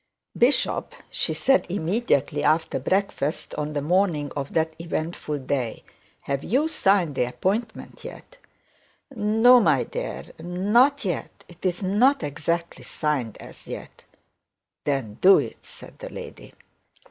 'Bishop,' she said, immediately after breakfast, on the morning of that eventful day, 'have you signed the appointment yet?' 'No, my dear, not yet; it is not exactly signed as yet.' 'Then do it,' said the lady.